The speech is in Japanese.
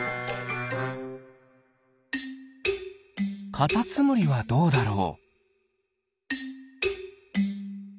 カタツムリはどうだろう？